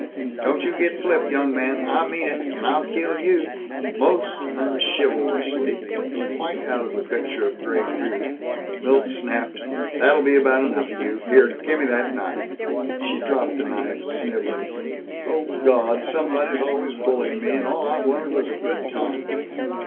"Don't you get flip, young man! I mean it! And I'll kill you " Most unchivalrously, quite out of the picture of gray grief, Milt snapped, "That'll be about enough of you! Here! Gimme that knife!" She dropped the knife, sniveling, "Oh Gawd, somebody's always bullying me! And all I wanted was a good time!"